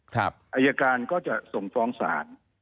ไฮยาการก็จะส่งฟ้องสาร